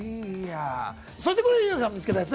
そしてこれＹＯＵさん見つけたやつ。